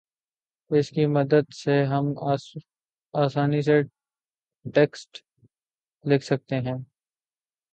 اس کی مدد سے ہم آسانی سے ٹیکسٹ لکھ سکتے ہیں